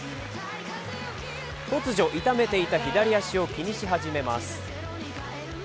突如、痛めていた左足を気にし始めます。